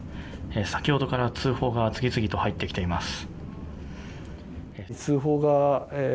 先ほどから通報が次々と入ってきています。